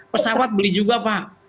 pesawat beli juga pak